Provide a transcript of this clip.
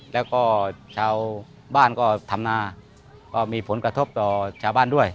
แล้วก็ชาวบ้านก็ทำนาก็มีผลกระทบต่อชาวบ้านด้วย